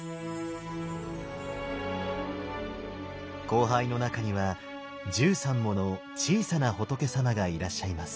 光背の中には１３もの小さな仏様がいらっしゃいます。